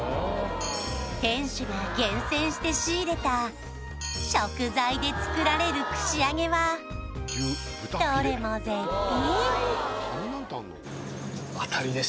店主が厳選して仕入れた食材で作られる串揚げはどれも絶品！